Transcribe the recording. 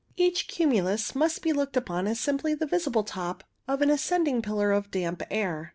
Each cumulus must be looked upon as simply the visible top of an ascending pillar of damp air.